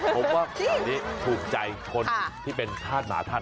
ผมว่าตอนนี้ถูกใจคนที่เป็นท่านหมาท่าน